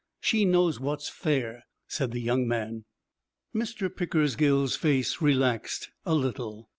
She knows what's fair,' said the young man. Mr. Pickersgill's face relaxed a little.